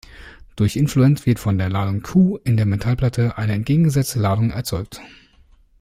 Durch Influenz wird von der Ladung "Q" in der Metallplatte eine entgegengesetzte Ladung erzeugt.